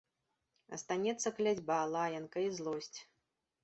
Астанецца кляцьба, лаянка і злосць.